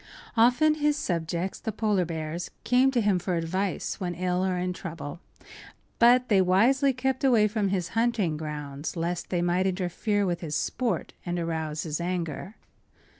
Often his subjects, the polar bears, came to him for advice when ill or in trouble; but they wisely kept away from his hunting grounds, lest they might interfere with his sport and arouse his anger.